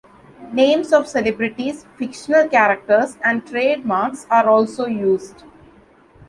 Names of celebrities, fictional characters, and trademarks are also used.